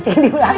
janji di belakang